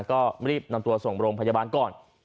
ก็รีบนำตัวส่งโรงพยาบาลก่อน